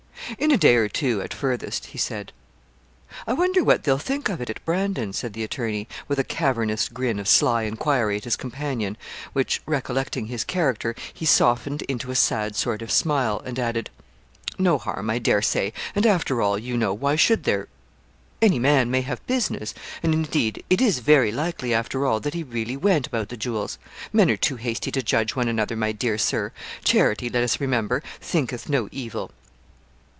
'In a day or two, at furthest,' he said. 'I wonder what they'll think of it at Brandon?' said the attorney, with a cavernous grin of sly enquiry at his companion, which, recollecting his character, he softened into a sad sort of smile, and added, 'No harm, I dare say; and, after all, you know, why should there any man may have business; and, indeed, it is very likely, after all, that he really went about the jewels. Men are too hasty to judge one another, my dear Sir; charity, let us remember, thinketh no evil.'